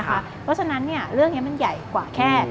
เพราะฉะนั้นเรื่องนี้มันใหญ่กว่าแค่